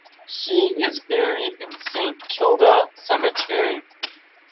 He is buried in Saint Kilda Cemetery.